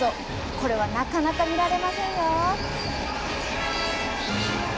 これはなかなか見られませんよ。